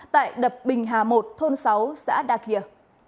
tại đập bình hà một thôn sáu xã đa kia